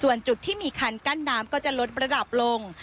ส่วนจุดที่มีคันกั้นน้ำก็จะลดระดับลง